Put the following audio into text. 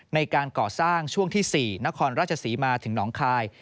ในการก่อสร้างช่วงที่๔นครราชศรีมาถึงหนองคาย